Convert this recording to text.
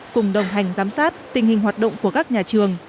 cùng đồng hành giám sát tình hình hoạt động của các nhà trường